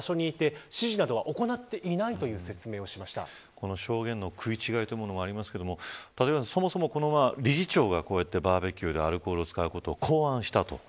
この証言の食い違いというものもありますが立岩さん、そもそも理事長がこうやってバーベキューやアルコールを使うことを考案したと。